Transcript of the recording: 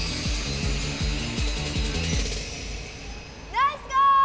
ナイスゴール！